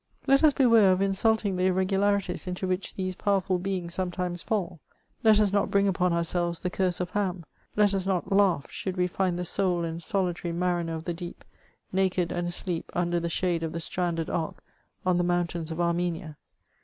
Let us beware of insulting the irregularities into which these powerful beings sometimes fall; let us not bring upon ourselves the curse of Ham ; let us not laugh, should we find the sole and solitary mariner of the deep, naked and asleep under the shade of the stranded ark on the mountains of Armenia.